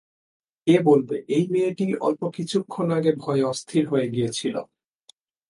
কে বলবে এই মেয়েটিই অল্প কিছুক্ষণ আগে ভয়ে অস্থির হয়ে গিয়েছিল!